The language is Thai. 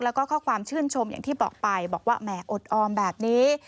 แล้วก็ข้อความชื่นชมอย่างที่บอกไปบอกว่าแหมอดออมแบบนี้